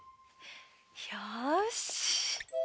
よし。